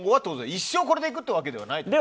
一生これでいくっていうわけではないと？